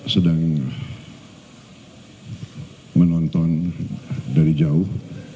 sedang menonton dari jauh